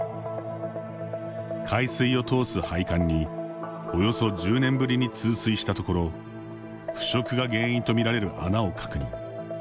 海水を通す配管に、およそ１０年ぶりに通水したところ腐食が原因と見られる穴を確認。